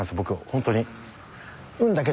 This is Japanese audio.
ホントに。